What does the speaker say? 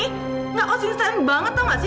nggak konsisten banget tau nggak sih